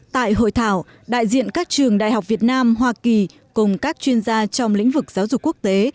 tại hội thảo đại diện các trường đại học việt nam hoa kỳ cùng các chuyên gia trong lĩnh vực giáo dục quốc tế